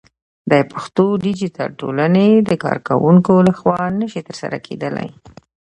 د پښتو ديجيتل ټولنې د کارکوونکو لخوا نشي ترسره کېدلى